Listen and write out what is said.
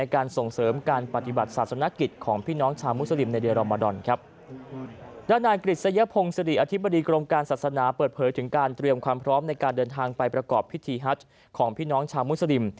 กับความพร้อมในการเดินทางไปประกอบพิธีฮัตริย์ของพี่น้องชาวมุสลิม